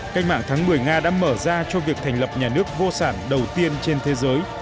cách mạng tháng một mươi nga đã mở ra cho việc thành lập nhà nước vô sản đầu tiên trên thế giới